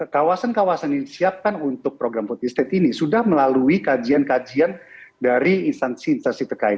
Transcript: kawasan kawasan yang disiapkan untuk program food estate ini sudah melalui kajian kajian dari instansi instansi terkait